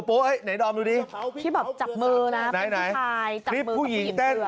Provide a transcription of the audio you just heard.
นี่นำดูดิพี่บอกจับมืออย่างไหนคลิปผู้หญิงเต้น